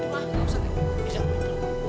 gak usah deh